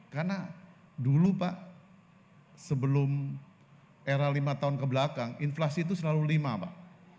karena dulu pak sebelum era lima tahun kebelakang inflasi itu selalu lima pak